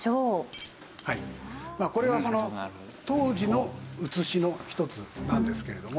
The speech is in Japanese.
これは当時の写しの一つなんですけれども。